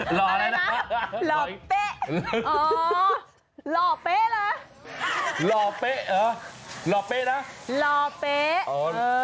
หล่ออะไรนะหล่อเป๊ะอ๋อหล่อเป๊ะเหรอหล่อเป๊ะเหรอหล่อเป๊ะนะหล่อเป๊ะ